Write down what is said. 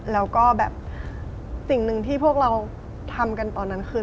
แล้วก็แบบสิ่งหนึ่งที่พวกเราทำกันตอนนั้นคือ